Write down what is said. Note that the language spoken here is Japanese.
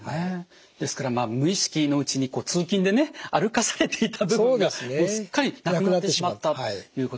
ですから無意識のうちに通勤でね歩かされていた部分がすっかりなくなってしまったということなんですね。